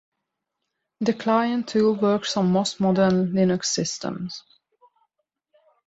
The client tool works on most modern Linux systems.